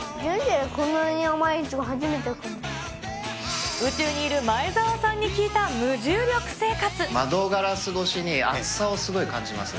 こんなに甘いいちご初めてか宇宙にいる前澤さんに聞いた窓ガラス越しに、暑さをすごい感じます。